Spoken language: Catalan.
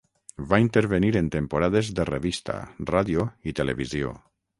Va intervenir en temporades de revista, ràdio i televisió.